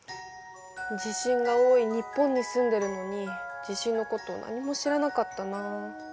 地震が多い日本に住んでるのに地震のこと何も知らなかったな。